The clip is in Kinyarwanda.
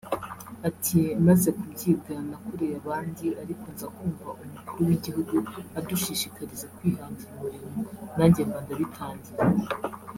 Ati “Maze kubyiga nakoreye abandi ariko nza kumva Umukuru w’igihugu adushishikariza kwihangira umurimo nanjye mba ndabitangiye